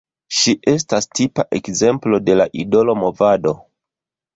Ŝi estas tipa ekzemplo de la idolo movado.